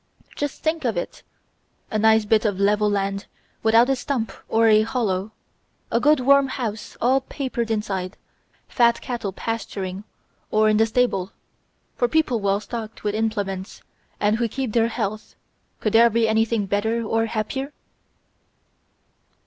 Just think of it; a nice bit of level land without a stump or a hollow, a good warm house all papered inside, fat cattle pasturing or in the stable; for people well stocked with implements and who keep their health, could there be anything better or happier?"